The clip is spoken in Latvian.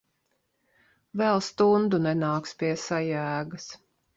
Vēl stundu nenāks pie sajēgas.